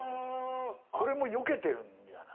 それもよけてるんじゃない？